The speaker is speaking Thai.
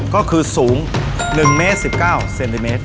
ก็คือสูง๑เมตร๑๙เซนติเมตร